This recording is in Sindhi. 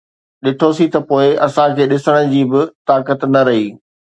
ڏٺوسين ته پوءِ اسان کي ڏسڻ جي به طاقت نه رهي